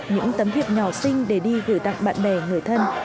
những tấm thiệp nhỏ xinh để đi gửi tặng bạn bè người thân